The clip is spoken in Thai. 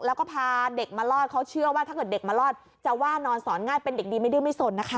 แล้วก็พาเด็กมารอดเขาเชื่อว่าถ้าเกิดเด็กมารอดจะว่านอนสอนง่ายเป็นเด็กดีไม่ดื้อไม่สนนะคะ